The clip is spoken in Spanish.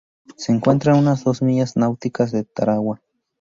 Se encuentra a unas dos millas náuticas de Tarawa.